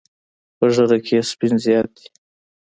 په ږیره کې یې سپین زیات دي.